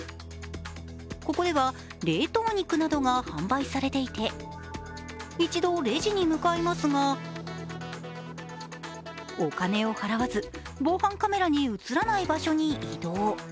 ここでは冷凍肉などが販売されていて一度、レジに向かいますがお金を払わず、防犯カメラに映らない場所に移動。